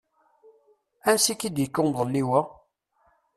Ansi k-d-yekka umḍelliw-a?